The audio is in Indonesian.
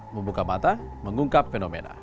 membuka mata mengungkap fenomena